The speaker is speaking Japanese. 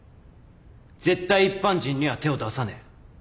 絶対一般人には手を出さねえ。